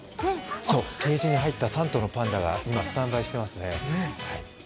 ケージに入った３頭のパンダが今、スタンバイしてますね。